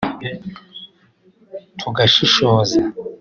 tugashishoza